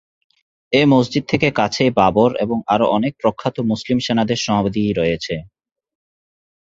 এই মসজিদ থেকে কাছেই বাবর এবং আরো অনেক প্রখ্যাত মুসলিম সেনাদের সমাধি রয়েছে।